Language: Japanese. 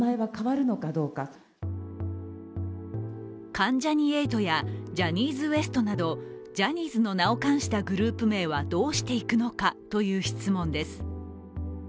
関ジャニ∞やジャニーズＷＥＳＴなどジャニーズの名を冠したグループ名はどうしていくのかという質問です。